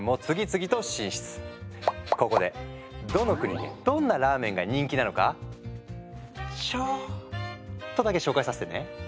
ここでどの国でどんなラーメンが人気なのかちょっとだけ紹介させてね。